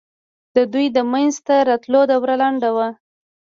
د دوی د منځته راتلو دوره لنډه ده.